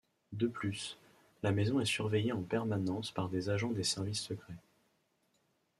De plus, la maison est surveillée en permanence par des agents des Services Secrets.